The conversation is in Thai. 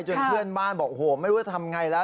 จนเพื่อนบ้านบอกโหไม่รู้จะทำไงแล้ว